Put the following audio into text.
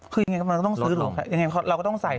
คือยังไงก็ต้องซื้อลงเราก็ต้องใส่